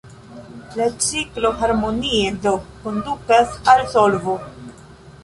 La ciklo harmonie do kondukas al solvo.